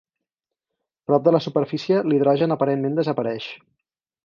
Prop de la superfície l'hidrogen aparentment desapareix.